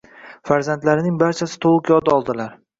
Farzandlarining barchasi toʻliq yod oldilar